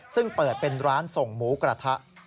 ซึ่งเปิดเป็นร้านส่งหมูกระทะ